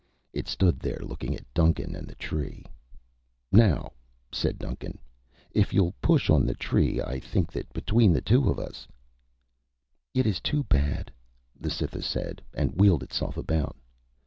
It stood there looking at Duncan and the tree. "Now," said Duncan, "if you'll push on the tree, I think that between the two of us " "It is too bad," the Cytha said, and wheeled itself about.